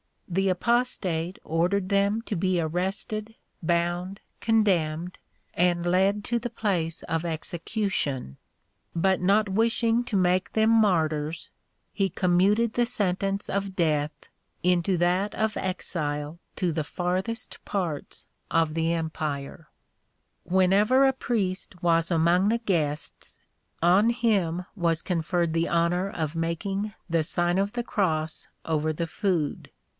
The Apostate ordered them to be arrested, bound, con demned, and led to the place of execution. But not wishing to make them martyrs, he commuted the sentence of death into that of exile to the farthest parts of the empire.* * Orat. I. Contr. Julian; Theodoret, Hist,, lib. iii. c. 16. 240 The Sign of the Cross Whenever a priest was among the guests, on him was conferred the honor of making trie Sign of the Cross over the food.